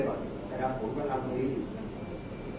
แต่ว่าไม่มีปรากฏว่าถ้าเกิดคนให้ยาที่๓๑